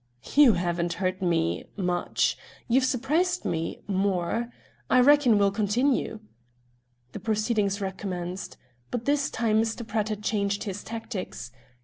"You haven't hurt me much. You've surprised me more. I reckon we'll continue." The proceedings recommenced. But this time Mr. Pratt had changed his tactics.